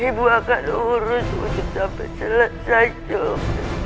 ibu akan urus ucup sampai selesai ucup